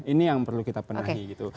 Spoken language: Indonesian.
ini yang perlu kita penuhi gitu